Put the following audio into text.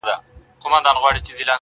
• مُلا کوټوال وي مُلا ډاکتر وي -